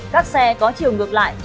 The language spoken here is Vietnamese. các xe có chiều ngược lại